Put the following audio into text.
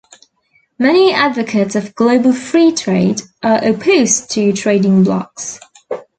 Many advocates of global free trade are opposed to trading blocs.